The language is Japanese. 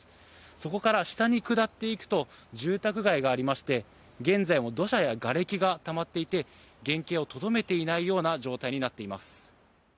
そこから下に下っていくと住宅街がありまして、現在も土砂やがれきがたまっていて原形をとどめていないような状態となっています。